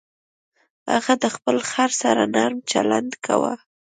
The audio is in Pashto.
هغه د خپل خر سره نرم چلند کاوه.